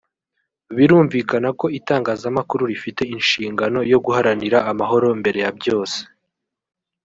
Birumvikana ko itangazamakuru rifite n’inshingano yo guharanira amahoro mbere ya byose